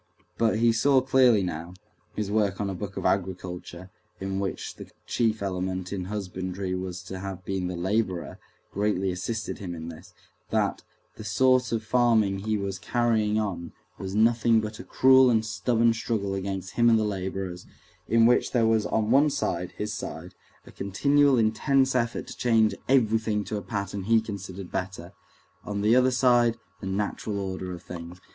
But he saw clearly now (his work on a book of agriculture, in which the chief element in husbandry was to have been the laborer, greatly assisted him in this) that the sort of farming he was carrying on was nothing but a cruel and stubborn struggle between him and the laborers, in which there was on one side—his side—a continual intense effort to change everything to a pattern he considered better; on the other side, the natural order of things.